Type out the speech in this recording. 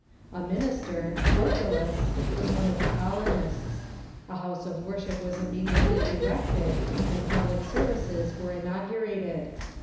A minister, Torkillus, was one of the colonists. A house of worship was immediately erected, and public services were inaugurated.